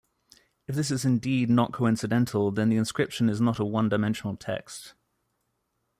If this is indeed not coincidental then the inscription is not a one-dimensional text.